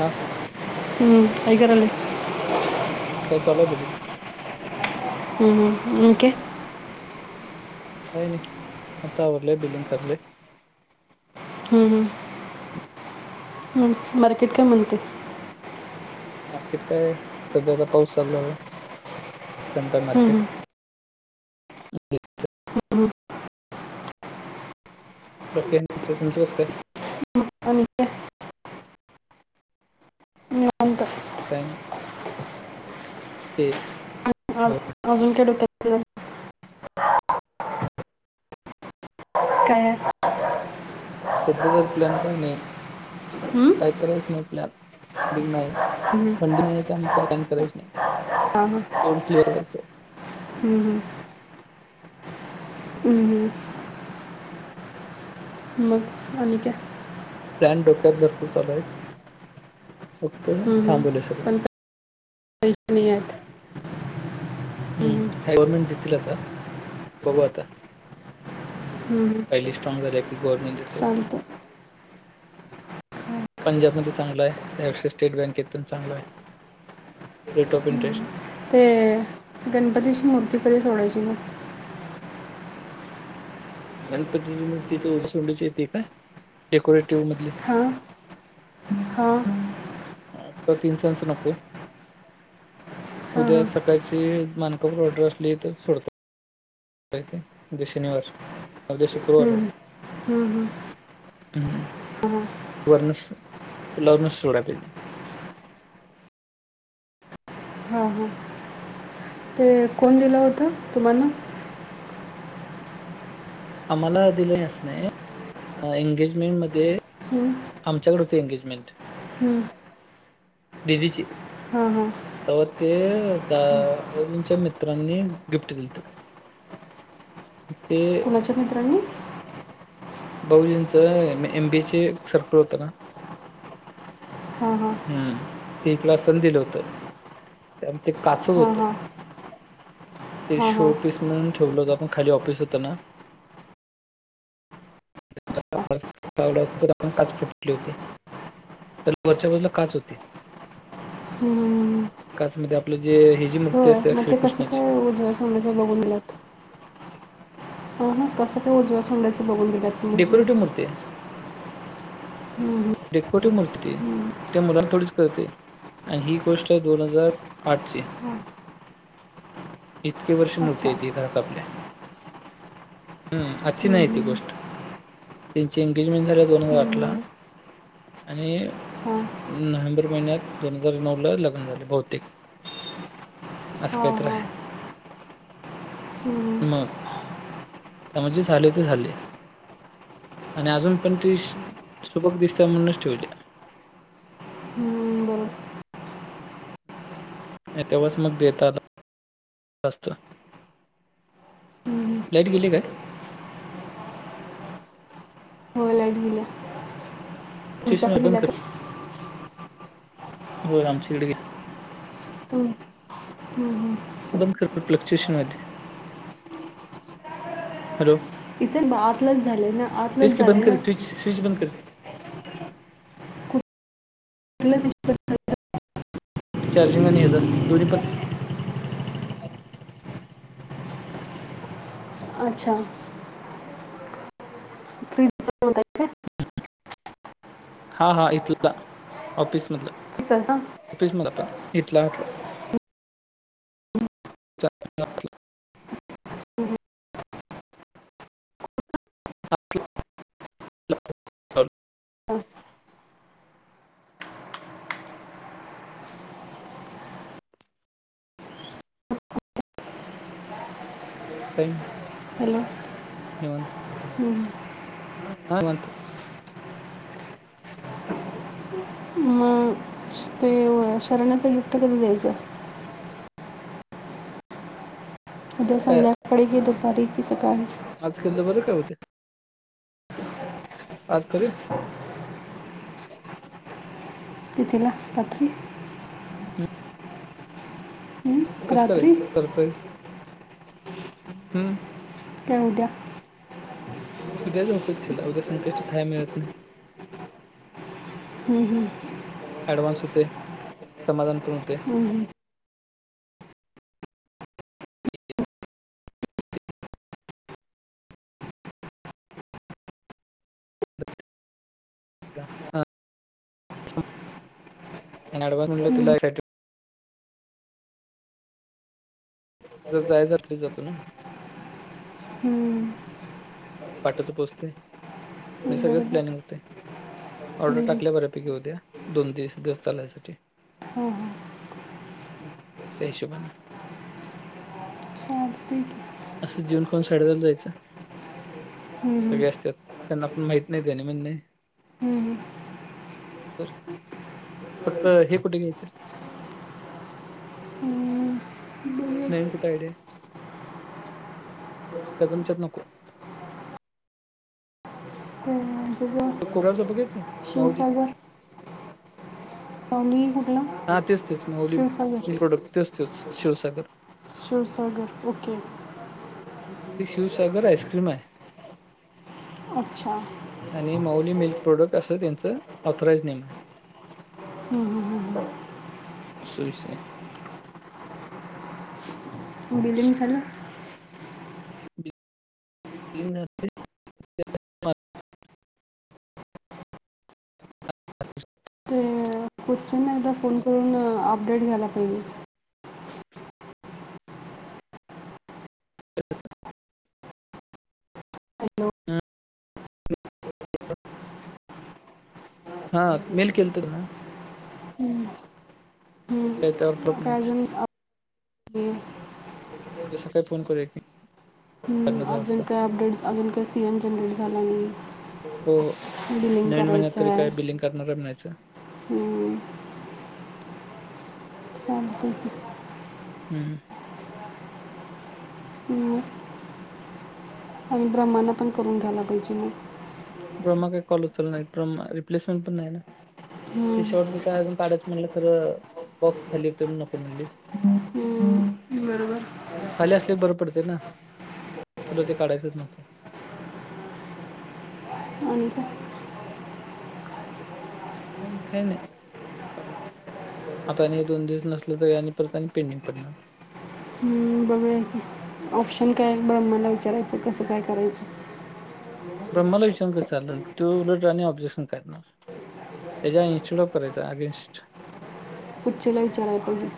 हा हम्म, काय करायलास. काय चालूय बिलिंग. हा आणि काय? काही नाही आता आवरलंय बिलिंग करालोय. हम्म हम्, हम मार्केट काय म्हणतय? मार्केट काय, सध्याता आत्ता पाऊस चालू झालाय, बंद आहे मार्केट. हम्म, [unintelligible] हम्म. बाकी काय, तुमचं कसं काय? आणि काय निवांत काय नई. ते. अं, अजून काय डोक्यात तुझ्या? [unintelligible] [unintelligible] सध्या तर प्लॅन काही नाही, हम्म? काय करायच नाही प्लॅन, [unintelligible] नाही. हम. त्यामु काही कान करायच नाही लोड क्लिअर वरायचं. हम्. आणिक प्लॅन डोक्यात भरपूर चालू आहेत. फक्त थांबले सगळं. कची नि आहेतत. हम्म गव्हर्मेंट देतील आता बघू आता. हम्म. पहिली स्ट्रॉग झाले की गव्हर्नमेंट देतेच. चालतं पंजाबमध्ये चांगला आहे लष स्टेट बँकेत पण चांगला आहे. रेट ऑफ इंटरेस्ट ते गणपतीची मूर्ती कधी सोडाची म गणपतीची मूर्ती ते सोंडच येते का डेकोरेटिव्ह मधले हा. ता तीनसांच नको. हां उद्या हां सकाळची मानकापूर ऑर्डर असली तर सोडतात. हो बेश निवार हम्म हम्म हम्. हम् वण पुलावरूनच सोडा पहिजे. [unintelligible] हां हां ते कोण दिलं होत तुम्हाला आम्हाला दिलही अस नाही एंगेजमेंटमध्येध्ये हम्म, आमच्याकडे होती एंगेजमेंट हम्म. दिदीची हां हां तेव्हा ते दाोजींच्या मित्रांनी गिफ्ट दिते. कुणाच्या मित्रांनी बहुजींच एमबी चं सर्कल होतं ना. हा हा. हम्म. ते इकड सण दिलं होतं त्यामुळे ते काचत हां होत. हां ते हां हां हं, शोपीस म्हणून ठेवलं होत आपण खाली ऑफिस होत ना. म काच फुटली होती. त्याला वरच्या बाजूला काच होते. हं, हं. काच मध्ये आपलं जे ह जी मृत्य होय मग ते कस काय उजव्या समोस बघून दिलात. हो कसं ते उजव्या संडायचं बघून दिल्यात तुम्ही? देखो त मुल ते मुलांना थोडीच करते आणि ही गोष्ट आहे दोन हजार आठ ची हां. इतकी वर्ष मूर्ती अच्छा येते घरात आपल्या हम् अआजची हं, नाही ती हं, गोष्ट त्यांची एंगेजमेंट झाली दोन हजार आठ ला हं, हं. आणि हां नोव्हेंबर महिन्यात दोन हजार नऊ ला लग्न झाले बौतेिक असं हां काहीत रा हां हं, हं. मग त्यामुळेजे झाले ते झाले. आणि अजून पण ती सोबक दिसत म्हणूनच ठेवली. हम्म बर. नाही तेवच मग देतातस्त्र हम्म. होलडल्या तुमच्या पहिल्या का? होर आमच्याकडे तुम हं, हं. उड क फ्लक्चुवेशन मले हॅलो. इथे आतलाच झालंय ना तेच आतलंच की बंद झालंय कर ना. स्विच स्विच बंद कर [unintelligible] चार्जिंग आणि [unintelligible] दोन्ही पण अच्छा. फ्रीजचं म्हणताय का हा हा इथल, ऑफिसमधलं. [unintelligible] [unintelligible] पण इथला आतला. [unintelligible] [unintelligible] काही. हॅलो. [unintelligible] हा [unintelligible] मग ते शरणाचं गिफ्ट कधी द्यायचं? उद्या काय संध्या कडी की दपारी? आज केल तर बर काय होते. आज करूया. तिथिला पत्री. हम्म हं? कसं रात्री करायचं सरप्राईज? हम्म. ये उद्या. उद्या झोपेक्षला उद्या संकष्ट काय मिळत नाही. हम्म हम्म. अडव्स होतय, समाधान. पण होते हम्. [unintelligible] जर जाय जात जातो ना. हं. पाठच पोहोचतय म सगळेच बरोबर प्लॅनिंग होतय. ऑर्डर हं, हं. टाकल्या बऱ्यापैकी उद्या दोन तीस दिवस चालायसाठी हां हां त्याहिशोबान. चालते की असं जीवन कोण साडे दाला जायचं. हं, हं. सगळे असत त्यांना पण माहित नाही त्यानी म्हण नाही हं, हं. बर फक्त हे कुठे घ्यायचं? हम्म. नाहीन कुठं आयडिया. कदम चत नको. तो कोबराचं बघायचं [unintelligible] माऊली शिवसागर. पाली हां तेच तेच माऊली मिल्क प्रोडक्ट तोच -तोच शिवसागर. शिवसागर ओके. ते शिवसागर आईस्क्रीम आहे. अच्छा आणि मऊली मिल्क प्रोडक्ट असं त्यांचं ऑथोराईज नेम आहे. हम्म हम्म हम्म. अस विषय हाय. बिलीगं झाल? बिलिंग झाल [unintelligible] क्वशन एकदा फोन करून आपडेट घ्यायला पाहिजे. हॅलो हम्म. हा मेल केलत नां? हम्म. हम्म. काय त्यावर फोन काय नाहीच, अजून हे. उद्या सकाळी फोन करूया की. साडे हम्म नऊ दहा अजून वाजता काय अपडेट्स अजून काय सीएन जनरेट झाला नायी. हो हो. बिलिंग नवीन महिन्यात तरी करायचाय. काय बिलिंग करणार आहे म्हणायचं हुं चालतय की- हुं हुं आणि ब्रह्मान पण करून घ्यायला पाहिजे ना- ब्रह्मा काय कॉल उचलाय नाही रिप्लेसमेंट पण नाही नां? हं काय अजून काढायच म्हणलं तर बॉक्स खाली होते नको म्हणलीस हुं हुं हम्म, बरोबर खाली असलेल बर पडतेय ना तुला ते काढायचेच येत नव्हतं. [inaudible] काय काय नाही, चालु हाय. आता आणि हे दोन दिवस नसलतरी आणि परत आणि पेंडिंग पडणार. हम्म, बघूया ऑप्शन काय ब्रम्हांला विचारायच कसं काय करायचं- ब्रम्हांला विचारून कस चाललं त्यो उलट आणि ऑब्जेक्शन कारणार. त्याज्या अंगची लायक करायचा अगेन्स्ट- [unintelligible] विचाराय पाहिजे.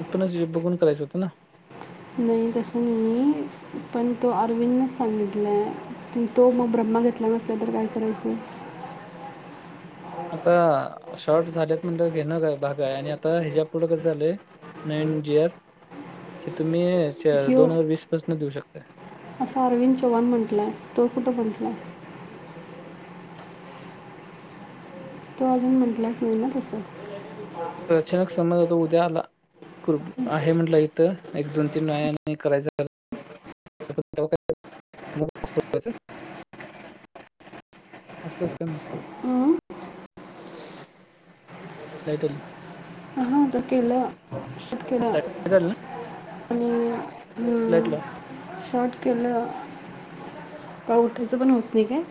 आपणच हे बघून करायचं होतं ना. नायी तस नायी पण तो अरविंदन सांगितलाय की तो मग ब्र- म्हा घेतला नसत तर काय करायचं? आता शॉर्ट झालेत म्हणलं घेणंकाय भागहाय आणि आता हिच्यापुूढ कस झालंय- नवीन जीर की तुम्ही चार ह्यो दोन हजार वीस पासून देऊ शकतात. असं अरविंद चव्हाण म्हंटलाय तो कुठं म्हंटलाय. तो अजून म्हटलांच नाही ना तस. अता अचानक समज अता उद्या आला. खुरपक आहे म्हटलं इथं एक दोन तीन नायाने करायचं- [inaudible] असकस कान- अं? लाईट आली- हां आता केलं शट केला- लाईट आली ना लाईट लाव- शॉट केलं का उठायचं पण होत नाही काय?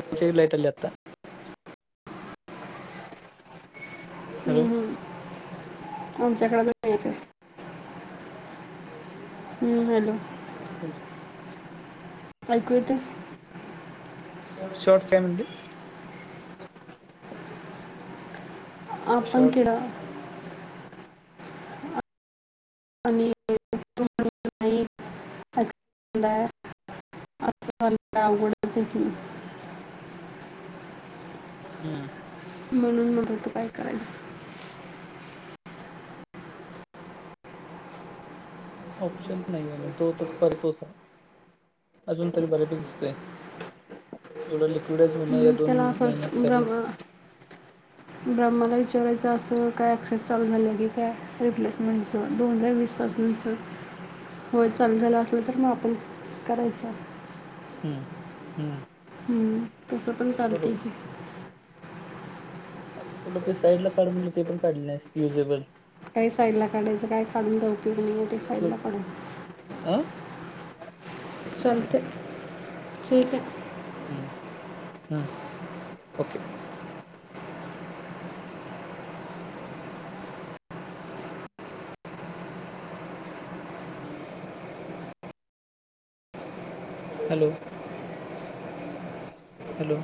आमच्याकड लाईट आली आत्ता. हॅलो- आमच्या कड अजून नाहीच हाय हुं हॅलो- पण- ऐकू येतंय. शोट फेमट. आप आपण शॉर्ट किडा. आणि. अस आलं अवगडच आहे की. हम्म म्हणून मग तू काय,? ऑप्शन नाही आहे म्हणजे तो तर पर तोच आहे. अजून तरी बऱ्यापैकी दितय एवढं लिक्विड. त्याला फस्ट ब्रहण ब्रहमाणा ल. रायचं असं काय ॲक्सेस चालू झालं की काय रिप्लेसमेंटचं दोन हजार वीसपासचं. होय चालू झालं असल तर मग आपण करायचं. हम्म हम्म हम्म तसं पण चालतेय बरोबर की. आ पण ते साइड ला काढून म्हण ते पण काढले युजेबल. काही साईड ला काढायचं काय काढून द उपयोग नाही ते तू साईडला काढा. अं चलते ठीक आहे. हम्म ओके. हॅलो! हॅलो, !